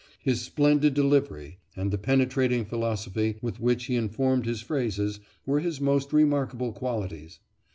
His splendid delivery, and the penetrating philosophy with which he informed his phrases, were his most remarkable qualities.